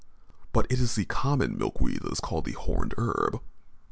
But it is the common milkweed that is called the horned herb.